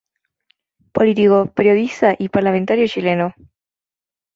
Político, periodista y parlamentario chileno.